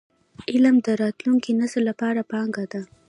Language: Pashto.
علم د راتلونکي نسل لپاره پانګه ده.